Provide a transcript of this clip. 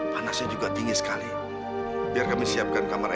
panasnya juga tinggi sekali biar kami siapkan kamar icu